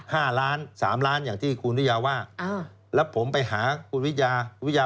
ห้าล้านสามล้านอย่างที่คุณวิทยาว่าอ่าแล้วผมไปหาคุณวิทยาวิทยา